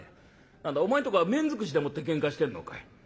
何だお前んとこは面づくしでもってけんかしてんのかい。